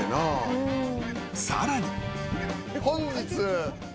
さらに